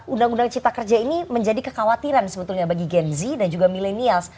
undang undang cipta kerja ini menjadi kekhawatiran sebetulnya bagi gen z dan juga milenial